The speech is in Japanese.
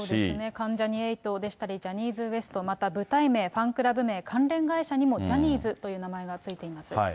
関ジャニ∞でしたり、ジャニーズＷＥＳＴ、また舞台名、ファンクラブ名、関連会社にもジャニーズという名前が付いています。